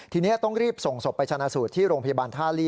ทีนี้ต้องรีบส่งศพไปชนะสูตรที่โรงพยาบาลท่าลี่